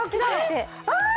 ああ！